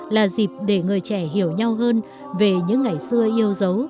là con gái của bấn chiếc